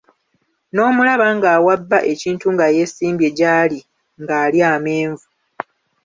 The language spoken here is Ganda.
N'omulaba ng'awa bba ekintu nga yeesimbye jaali nga alya amenvu!